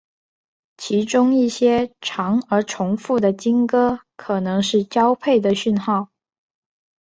其中一些长而重复的鲸歌可能是交配的讯号。